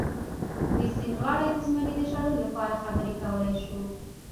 د سیند غاړې د زمري د شړلو لپاره خبرې کولی شو.